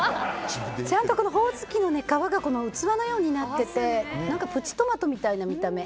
ちゃんとホオズキの皮が器のようになっていてプチトマトみたいな見た目。